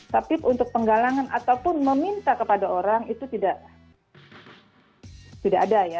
tapi untuk penggalangan ataupun meminta kepada orang itu tidak ada ya